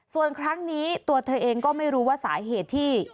ส่วนครั้งนี้ตัวเธอเองก็ไม่รู้ว่าสาเหตุที่